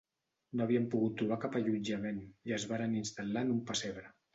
No havien pogut trobar cap allotjament i es varen instal·lar en un pessebre.